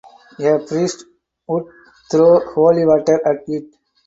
A priest would throw holy water at it.